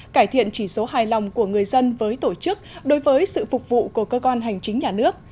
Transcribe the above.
cải thiện chỉ số hài lòng của người dân với tổ chức đối với sự phục vụ của cơ quan hành chính nhà nước